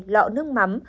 lọ nước mắm